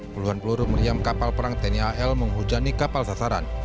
puluhan peluru meriam kapal perang tni al menghujani kapal sasaran